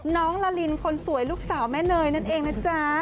น้องลาลินคนสวยลูกสาวแม่เนยนั่นเองนะจ๊ะ